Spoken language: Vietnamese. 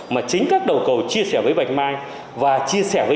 mà chính các đầu cầu chia sẻ với bạch mai